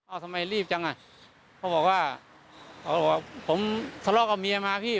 อ้าวสำไมรีบจังอ่ะเขาบอกว่าอ๋อผมสลอกเอาเมียมาพี่